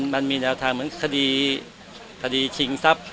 มันมีแนวทางเหมือนคดีชิงทรัพย์รักทรัพย์